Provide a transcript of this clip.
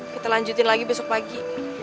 kita lanjutin lagi besok pagi